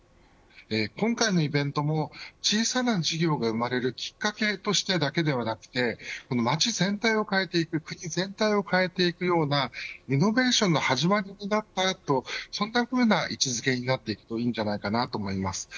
今回のイベントも小さな事業が生まれるきっかけとしてだけでなくて街全体を変えていく国全体を変えていくようなイノベーションの始まりだったそんなふうな位置付けになっていくといいんじゃないかと思います。